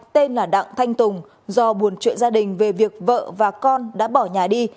tên là đặng thanh tùng do buồn chuyện gia đình về việc vợ và con đã bỏ nhà đi